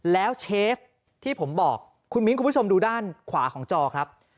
แล้วเชฟที่ผมบอกคุณมิ้นคุณผู้ชมดูด้านขวาของจอครับ